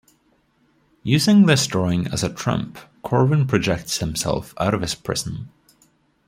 Using this drawing as a Trump, Corwin projects himself out of his prison.